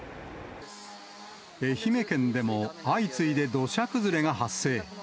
愛媛県でも相次いで土砂崩れが発生。